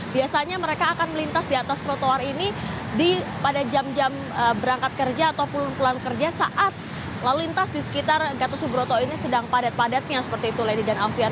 biasanya mereka akan melintas di atas trotoar ini pada jam jam berangkat kerja atau pulang kerja saat lalu lintas di sekitar gatot subroto ini sedang padat padatnya seperti itu lady dan alfian